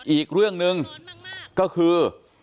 อีกเรื่องหนึ่งก็คือ